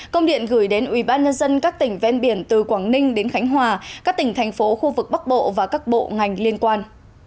công điện gửi đến ubnd các tỉnh ven biển từ quảng ninh đến khánh hòa các tỉnh thành phố khu vực bắc bộ và các bộ ngành liên quan